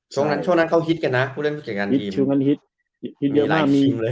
ช่วงนั้นเขาฮิตกันนะผู้เล่นบริการทีม